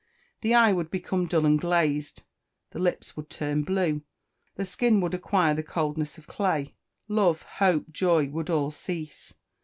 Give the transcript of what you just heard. The eye would become dull and glazed, the lips would turn blue, the skin would acquire the coldness of clay love, hope, joy, would all cease.